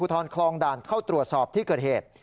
ทรคลองด่านเข้าตรวจสอบที่เกิดเหตุ